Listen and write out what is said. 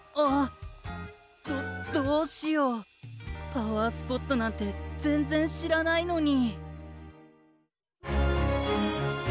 パワースポットなんてぜんぜんしらないのに。